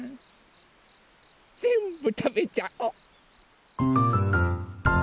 ぜんぶたべちゃお！